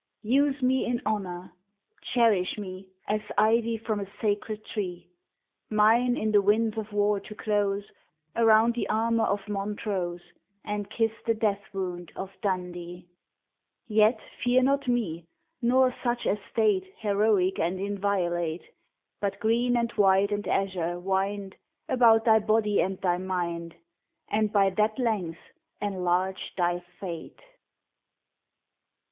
Use me in honour: cherish me As ivy from a sacred tree. Mine in the winds of war to close Around the armour of Montrose, And kiss the death wound of Dundee. Yet fear not me, nor such estate Heroic and inviolate; But green and white and azure wind About thy body and thy mind, And by that length enlarge thy fate!